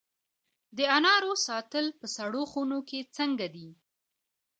د انارو ساتل په سړو خونو کې څنګه دي؟